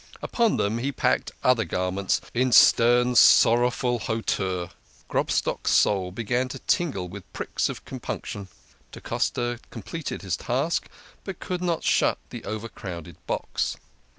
Upon them he packed other garments in stern, sor rowful hauteur. Grobstock's soul be gan to tingle with pricks of compunc tion. Da Costa completed his task, but could not shut the overcrowded box.